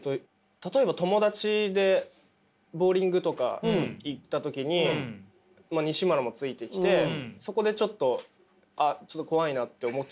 例えば友達でボウリングとか行った時ににしむらもついてきてそこでちょっとアハハハハハ。